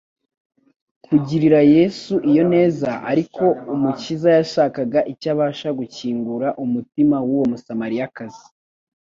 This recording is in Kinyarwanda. kugirira Yesu iyo neza; ariko Umukiza yashakaga icyabasha gukingura umutima w’uwo Musamariyakazi